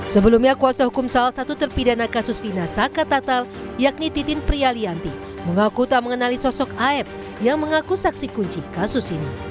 sebelumnya kuasa hukum salah satu terpidana kasus fina saka tatal yakni titin prialianti mengaku tak mengenali sosok aep yang mengaku saksi kunci kasus ini